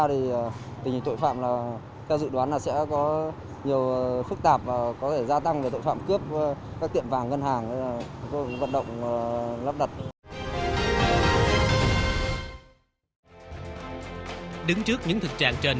thì tình hình tội phạm theo dự đoán sẽ có nhiều phức tạp